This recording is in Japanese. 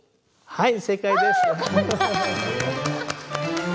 はい。